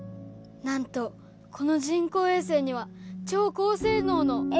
なんとこの人工衛星には超高性能の。